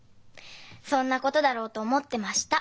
そんなことだろうと思ってました。